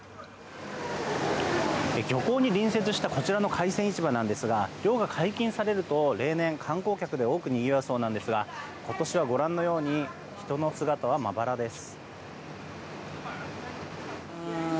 漁港に隣接したこちらの海鮮市場なんですが漁が解禁されると例年、観光客で多くにぎわうそうなんですが今年は、ご覧のように人の姿はまばらです。